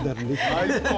最高。